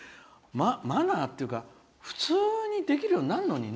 マナーというか普通にできるようになるのにね。